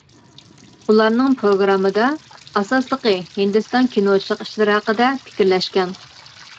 ئۇلارنىڭ پىروگراممىدا ئاساسلىقى ھىندىستان كىنوچىلىق ئىشلىرى ھەققىدە پىكىرلەشكەن.